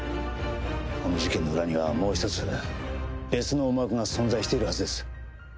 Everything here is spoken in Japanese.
この事件の裏には、もう１つ別の思惑が存在しているはずです。